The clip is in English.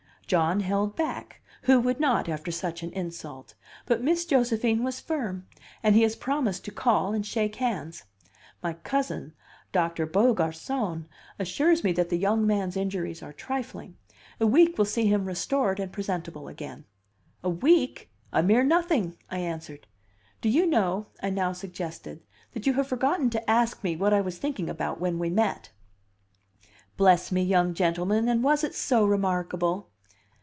John held back who would not, after such an insult? but Miss Josephine was firm, and he has promised to call and shake hands. My cousin, Doctor Beaugarcon, assures me that the young man's injuries are trifling a week will see him restored and presentable again." "A week? A mere nothing!" I answered "Do you know," I now suggested, "that you have forgotten to ask me what I was thinking about when we met?" "Bless me, young gentleman! and was it so remarkable?"